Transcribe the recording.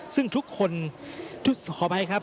ซึ่งทุกคนขอไปครับ